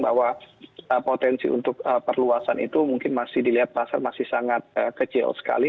bahwa potensi untuk perluasan itu mungkin masih dilihat pasar masih sangat kecil sekali